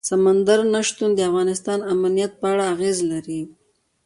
سمندر نه شتون د افغانستان د امنیت په اړه هم اغېز لري.